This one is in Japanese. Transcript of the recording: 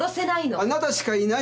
あなたしかいないんです。